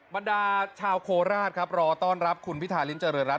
บรรดาชาวโคราชครับรอต้อนรับคุณพิธาริมเจริญรัฐ